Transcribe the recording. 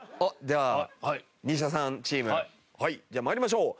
では西田さんチーム。じゃあ参りましょう。